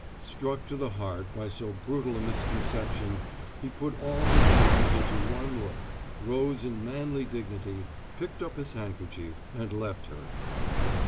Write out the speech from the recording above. Struck to the heart by so brutal a misconception, he put all his wrongs into one look, rose in manly dignity, picked up his handkerchief, and left her.